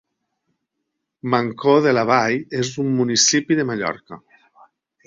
Mancor de la Vall és un municipi de Mallorca.